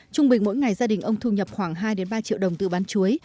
trung bình mỗi ngày gia đình ông thu nhập khoảng hai ba triệu đồng từ bán chuối